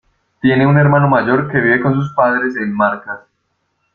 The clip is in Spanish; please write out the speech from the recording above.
Tiene un hermano mayor que vive con sus padres en Marcas.